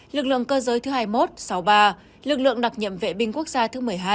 lực lượng cơ giới thứ hai mươi một sáu mươi ba lực lượng đặc nhiệm vệ binh quốc gia thứ một mươi hai